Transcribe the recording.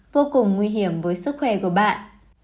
vô cùng nguy hiểm với sức khỏe của bạn